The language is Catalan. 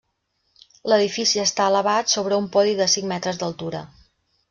L'edifici està elevat sobre un podi de cinc metres d'altura.